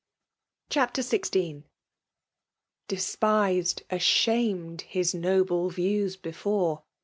CHAPTER XVI. Despised, ashamed, hU noble views befoze.